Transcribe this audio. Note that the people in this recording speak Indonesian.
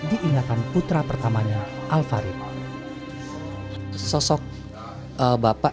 dia hail euchumiert tetapi akhirnya lagi mendatangkan dirinya seperti ibu takrat ini